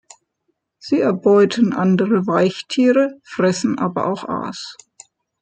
Sie erbeuten andere Weichtiere, fressen aber auch Aas.